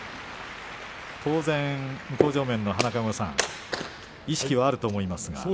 当然、向正面の花籠さん意識はあると思いますが。